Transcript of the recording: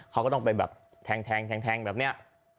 เขาก็ต้องไปแบบแถงแถงแบบเนี่ย